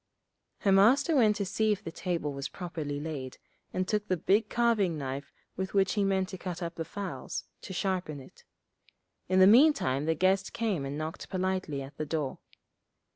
Her Master went to see if the table was properly laid, and took the big carving knife with which he meant to cut up the fowls, to sharpen it. In the meantime the guest came and knocked politely at the door.